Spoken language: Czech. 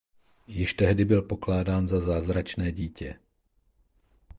Již tehdy byl pokládán za zázračné dítě.